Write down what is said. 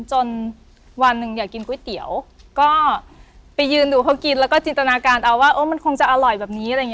จนวันหนึ่งอยากกินก๋วยเตี๋ยวก็ไปยืนดูเขากินแล้วก็จินตนาการเอาว่ามันคงจะอร่อยแบบนี้อะไรอย่างนี้